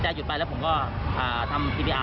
วิ่งมาจังหว่าบอลมามุมเนี่ย